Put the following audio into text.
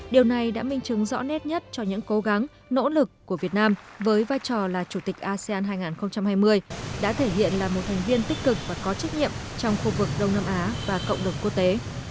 điều này đã minh chứng rõ nét nhất cho những cố gắng nỗ lực của việt nam với vai trò là chủ tịch asean hai nghìn hai mươi đã thể hiện là một thành viên tích cực và có trách nhiệm trong khu vực đông nam á và cộng đồng quốc tế